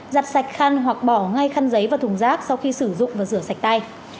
giặt sạch khăn hoặc bỏ ngay khăn giấy và thùng rác sau khi sử dụng và rửa sạch tay